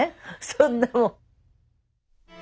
そんなもう。